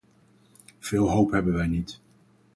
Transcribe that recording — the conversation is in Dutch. Veel hoop hebben wij niet.